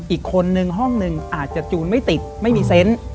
อีกคนนึงห้องหนึ่งอาจจะจูนไม่ติดไม่มีเซนต์